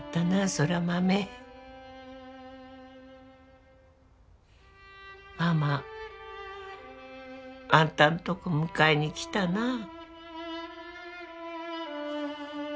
空豆ママあんたんとこ迎えに来たなあ